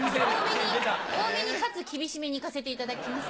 多めにかつ厳しめに行かせていただきます。